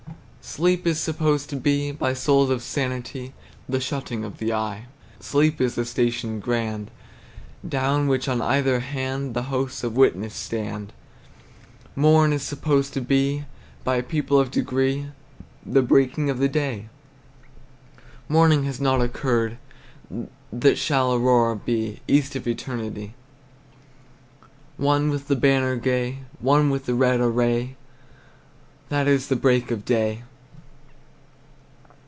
Sleep is supposed to be, By souls of sanity, The shutting of the eye. Sleep is the station grand Down which on either hand The hosts of witness stand! Morn is supposed to be, By people of degree, The breaking of the day. Morning has not occurred! That shall aurora be East of eternity; One with the banner gay, One in the red array, That is the break of day.